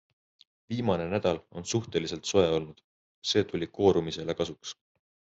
Viimane nädal on suhteliselt soe olnud, see tuli koorumisele kasuks.